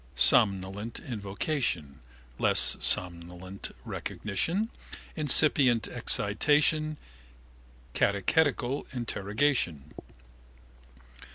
Somnolent invocation, less somnolent recognition, incipient excitation, catechetical interrogation.